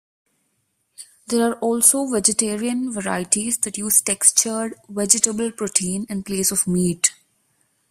There are also vegetarian varieties that use textured vegetable protein in place of meat.